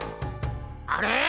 あれ？